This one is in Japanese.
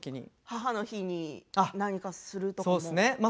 母の日に何かするとかも？